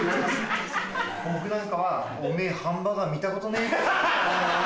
僕なんかは「おめぇハンバーガー見たことねえべ？」とか。